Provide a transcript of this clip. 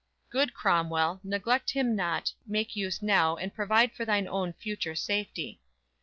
Good Cromwell, Neglect him not, make use now, and provide For thine own future safety.